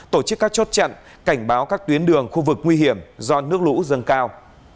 tổ chức các chốt chặn cảnh báo các tuyến đường khu vực nguy hiểm do nước lũ dâng cao